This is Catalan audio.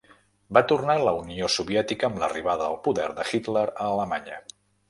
Va tornar a la Unió Soviètica amb l'arribada al poder de Hitler a Alemanya.